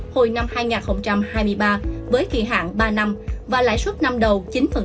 hồi năm hai nghìn hai mươi ba với kỳ hạn ba năm và lãi suất năm đầu chín